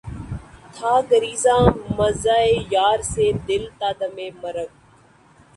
تھا گریزاں مژہٴ یار سے دل تا دمِ مرگ